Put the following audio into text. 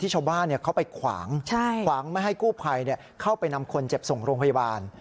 หวังไม่ให้กู้ไพเข้าไปนำคนเจ็บส่งโรงพยาบาล